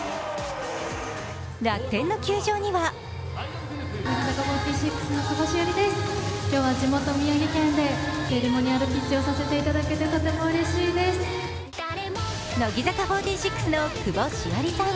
楽天の球場には乃木坂４６の久保史緒里さん。